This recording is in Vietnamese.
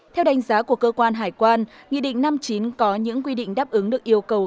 theo đánh giá của cơ quan hải quan nghị định năm chín có những quy định đáp ứng được yêu cầu